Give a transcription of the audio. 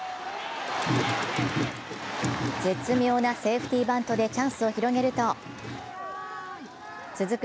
絶妙なセーフティバントでチャンスを広げると続く